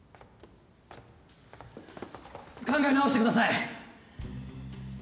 考え直してください。